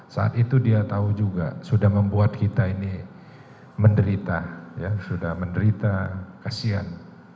saat itu dia tahu juga sudah membuat kita ini menderita sudah menderita kasihan